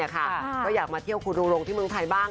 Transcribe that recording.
ก็อยากมาเที่ยวคุณลุงลงที่เมืองไทยบ้าง